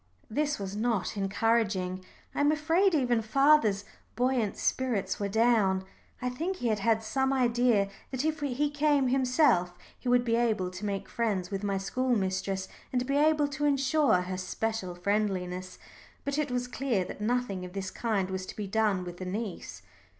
This was not encouraging. I am afraid even father's buoyant spirits went down: I think he had had some idea that if he came himself he would be able to make friends with my school mistress and be able to ensure her special friendliness. But it was clear that nothing of this kind was to be done with the niece.